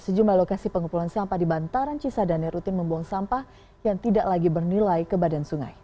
sejumlah lokasi pengumpulan sampah di bantaran cisadane rutin membuang sampah yang tidak lagi bernilai ke badan sungai